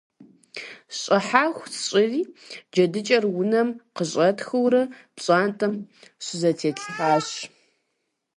ЩӀыхьэху сщӀыри, джэдыкӀэр унэм къыщӀэтхыурэ пщӀантӀэм щызэтетлъхьащ.